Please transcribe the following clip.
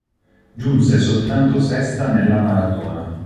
Giunse soltanto sesta nella maratona.